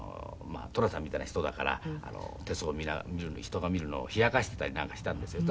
寅さんみたいな人だから手相を人が見るのを冷やかしていたりなんかしたんですよ。